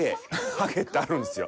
「はげ」ってあるんですよ。